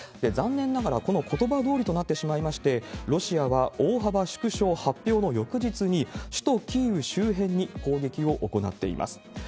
残念ながら、このことばどおりとなってしまいまして、ロシアは大幅縮小発表の翌日に、首都キーウ周辺に攻撃を行っています。